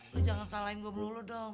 lo jangan salahin gue belom lo dong